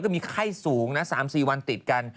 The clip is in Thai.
ก็มีไข้สูงนะ๓๔วันติดกัน